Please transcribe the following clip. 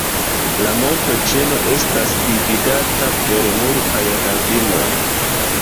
La montoĉeno estas dividata per multaj ravinoj.